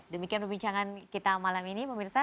demikian perbincangan kita malam ini pemirsa